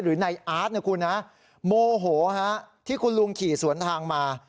หรือได้อาร์ดโมโหที่คุณลุงขี่สวนทางมา